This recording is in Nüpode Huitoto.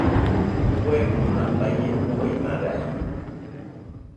Kuemona baie uai marañede.